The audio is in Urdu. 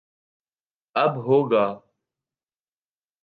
اب ہو گا